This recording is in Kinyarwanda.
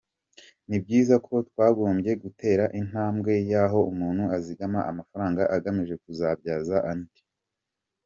Ni byiza ko twagombye gutera intambwe yaho umuntu azigama amafaranga agamije kuzayabyaza andi.